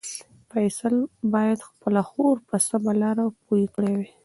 فیصل باید خپله خور په سمه لاره پوه کړې وای.